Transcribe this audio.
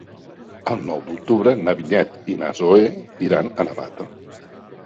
El nou d'octubre na Vinyet i na Zoè iran a Navata.